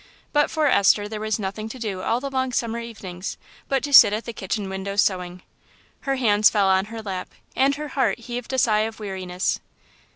But for Esther there was nothing to do all the long summer evenings but to sit at the kitchen window sewing. Her hands fell on her lap, and her heart heaved a sigh of weariness.